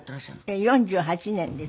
４８年です。